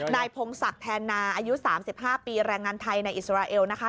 พงศักดิ์แทนนาอายุ๓๕ปีแรงงานไทยในอิสราเอลนะคะ